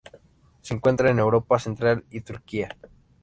Se encuentra en Europa central y Turquía.